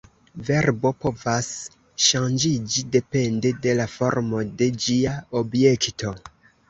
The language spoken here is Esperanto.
Verbo povas ŝanĝiĝi depende de la formo de ĝia objekto.